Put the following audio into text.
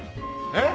えっ？